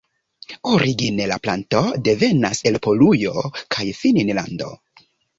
Origine la planto devenas el Polujo kaj Finnlando.